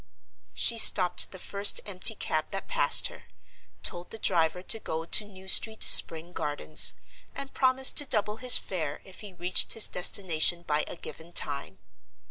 She stopped the first empty cab that passed her; told the driver to go to New Street, Spring Gardens; and promised to double his fare if he reached his destination by a given time.